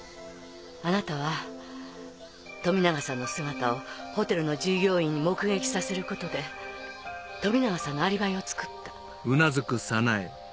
あなたは富永さんの姿をホテルの従業員に目撃させることで富永さんのアリバイを作った。